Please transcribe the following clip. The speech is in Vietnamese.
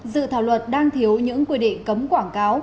dự thảo luật đang thiếu những quy định cấm quảng cáo